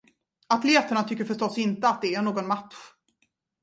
Atleterna tycker förstås inte att det är någon match.